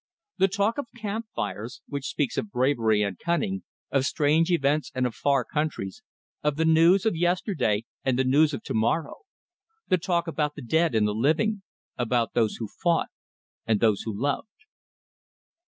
The talk of camp fires, which speaks of bravery and cunning, of strange events and of far countries, of the news of yesterday and the news of to morrow. The talk about the dead and the living about those who fought and those who loved.